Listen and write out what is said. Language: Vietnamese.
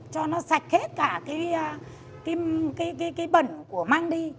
cho nó sạch hết cả cái bẩn của mang đi